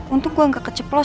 untung gue gak keceplos